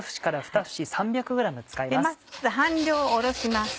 まず半量をおろします。